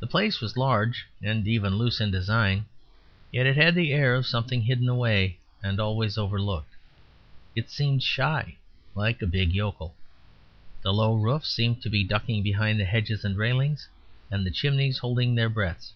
The place was large and even loose in design, yet it had the air of something hidden away and always overlooked. It seemed shy, like a big yokel; the low roofs seemed to be ducking behind the hedges and railings; and the chimneys holding their breath.